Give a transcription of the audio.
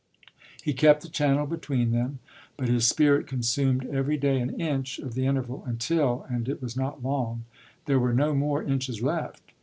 He kept the Channel between them, but his spirit consumed every day an inch of the interval, until and it was not long there were no more inches left.